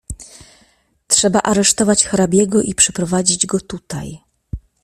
"Trzeba aresztować hrabiego i przyprowadzić go tutaj."